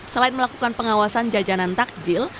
selain melakukan pengawasan jajanan takjil